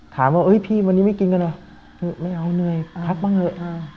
ถามว่าพี่นี่ไม่กินกันหรอเมย์เอาเนยคักบ้างเอง